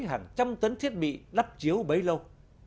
hàng trăm tấn thiết bị đắp chiếu bấy lâu